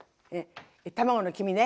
卵の黄身ね。